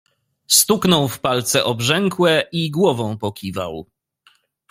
"Stuknął w palce obrzękłe i głową pokiwał."